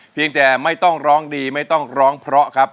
เพียงแต่ไม่ต้องร้องดีไม่ต้องร้องเพราะครับ